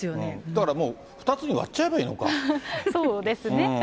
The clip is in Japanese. だからもう２つに割っちゃえそうですね。